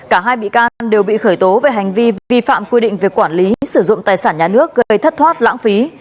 cả hai bị can đều bị khởi tố về hành vi vi phạm quy định về quản lý sử dụng tài sản nhà nước gây thất thoát lãng phí